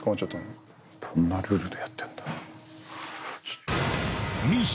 どんなルールでやってんだ？